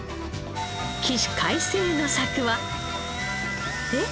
起死回生の策はえっ？